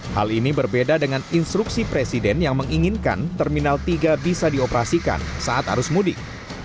hal ini berbeda dengan instruksi presiden yang menginginkan terminal tiga bisa dioperasikan saat arus mudik